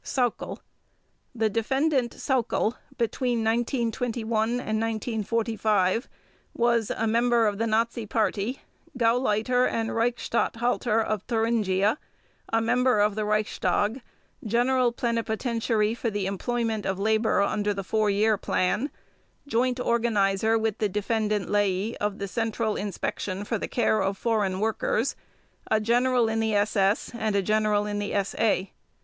SAUCKEL: The Defendant SAUCKEL between 1921 and 1945 was: A member of the Nazi Party, Gauleiter and Reichsstatthalter of Thuringia, a member of the Reichstag, General Plenipotentiary for the Employment of Labor under the Four Year Plan, Joint Organizer with the Defendant Ley of the Central Inspection for the Care of Foreign Workers, a General in the SS and a General in the SA.